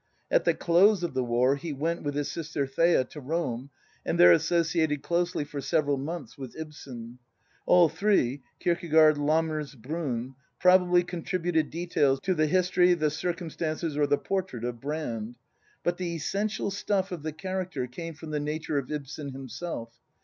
At the close of the war he went, with his sister Thea, to Rome, and there associated closely for several months with Ibsen. All three — Kierkegaard, Lammers, Bruun— probably contributed details to the history, the circumstances, or the portrait of Brand} But the essential stuff of the character came from the nature of Ibsen himself.